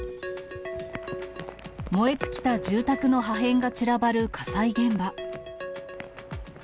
燃え尽きた住宅の破片が散らばる火災現場。